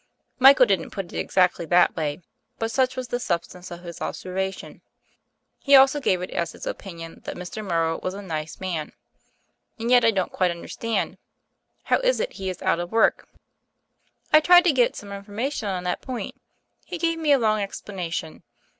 Michael didn't put it ex actly that way; but such was the substance of his observation. He also gave it as his opinion that Mr. Morrow was a nice man. And yet I don't quite understand. How is it he is out of work?" "I tried to get some information on that point. He gave me a long explanation.